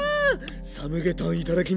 サムゲタンいただきます。